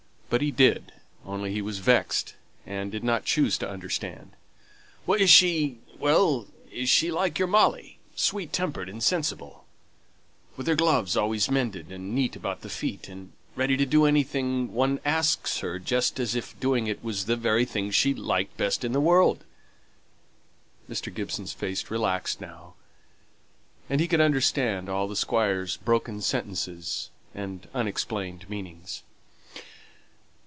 But he did; only he was vexed, and did not choose to understand. "Is she well, is she like your Molly? sweet tempered and sensible with her gloves always mended, and neat about the feet, and ready to do anything one asks her just as if doing it was the very thing she liked best in the world?" Mr. Gibson's face relaxed now, and he could understand all the Squire's broken sentences and unexplained meanings.